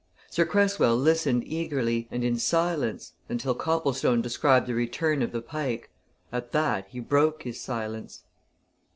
Sir Cresswell listened eagerly, and in silence, until Copplestone described the return of the Pike; at that he broke his silence.